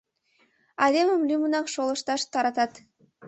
Айдемым лӱмынак шолышташ таратат.